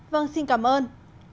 vâng xin cảm ơn